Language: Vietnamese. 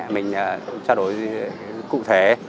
mình trao đổi cụ thể